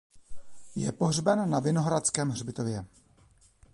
Je pohřben na Vinohradském hřbitově.